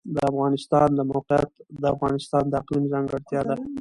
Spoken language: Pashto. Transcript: د افغانستان د موقعیت د افغانستان د اقلیم ځانګړتیا ده.